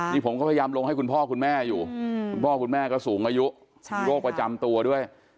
นี่ผมก็พยายามลงให้คุณพ่อคุณแม่อยู่คุณพ่อคุณแม่ก็สูงอายุมีโรคประจำตัวด้วย